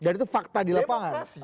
dan itu fakta di lapangan